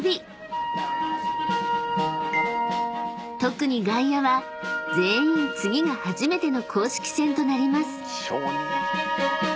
［特に外野は全員次が初めての公式戦となります］